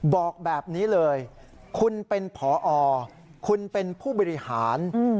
บอกแบบนี้เลยคุณเป็นพอคุณเป็นผู้บริหาร